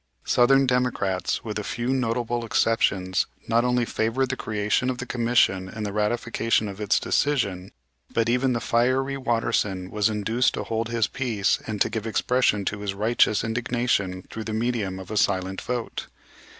Southern Democrats, with a few notable exceptions, not only favored the creation of the commission and the ratification of its decision, but even the fiery Watterson was induced to hold his peace and to give expression to his righteous indignation through the medium of a silent vote.